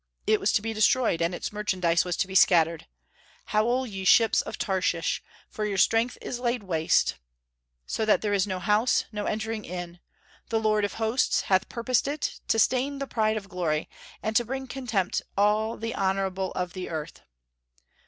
It was to be destroyed, and its merchandise was to be scattered. "Howl, ye ships of Tarshish! for your strength is laid waste, so that there is no house, no entering in.... The Lord of Hosts hath purposed it, to stain the pride of glory, and bring to contempt all the honorable of the earth."